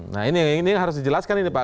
nah ini yang harus dijelaskan ini pak